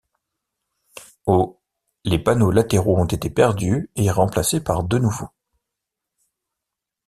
Au les panneaux latéraux ont été perdus et remplacés par deux nouveaux.